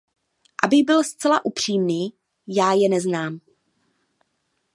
Abych byl zcela upřímný, já je neznám.